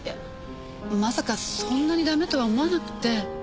まさかそんなにダメとは思わなくて。